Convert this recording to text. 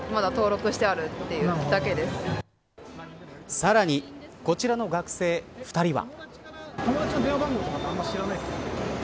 さらに、こちらの学生２人は。